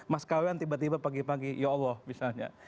mas kawen tiba tiba pagi pagi ya allah misalnya